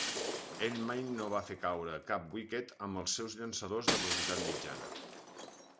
Ell mai no va fer caure cap wicket amb els seus llançadors de velocitat mitjana.